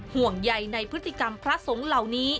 ห่วงใยในพฤติกรรมพระสงฆ์เหล่านี้